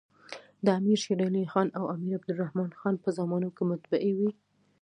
د امیر شېرعلي خان او امیر عبدالر حمن په زمانو کي مطبعې وې.